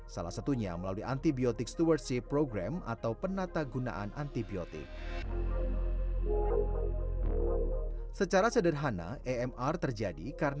salah satunya melalui antibiotic stewardship program atau penata gunungan